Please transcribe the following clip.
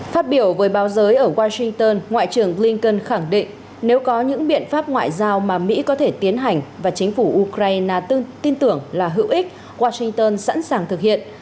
phát biểu với báo giới ở washington ngoại trưởng blinken khẳng định nếu có những biện pháp ngoại giao mà mỹ có thể tiến hành và chính phủ ukraine tin tưởng là hữu ích washington sẵn sàng thực hiện